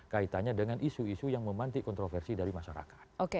kaitannya dengan isu isu yang memantik kontroversi dari masyarakat